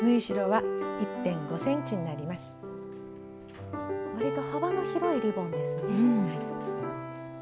わりと幅の広いリボンですね。